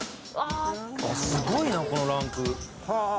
すごいなこのランク。